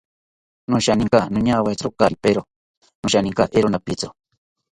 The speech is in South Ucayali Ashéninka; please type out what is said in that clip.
Noshinkitaka noñawetzi kari pero, nosheninka eero napitziro